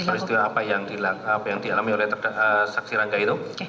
peristiwa apa yang dialami oleh saksi rangga itu